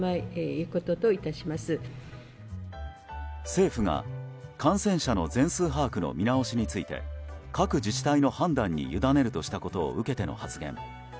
政府が、感染者の全数把握の見直しについて各自治体の判断に委ねるとしたことを受けての発言。